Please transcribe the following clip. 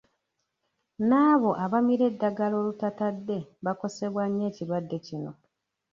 N’abo abamira eddagala olutatadde bakosebwa nnyo ekirwadde kino.